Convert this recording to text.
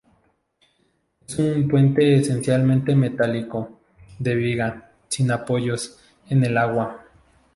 Es un puente esencialmente metálico, de viga, sin apoyos en el agua.